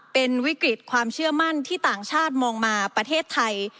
เป็นวิกฤตความเชื่อมั่นที่ต่างชาติมองมาประเทศไทย